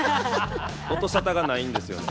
音沙汰がないんですよね。